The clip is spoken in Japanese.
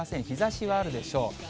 日ざしはあるでしょう。